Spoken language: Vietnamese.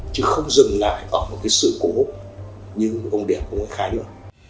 chứ không dừng lại ở một cái sự cố hốc như ông điểm ông nguyễn khái nữa